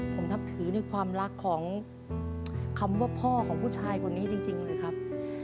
ผมนับถือในความรักของคำว่าพ่อของผู้ชายคนนี้จริงนะครับ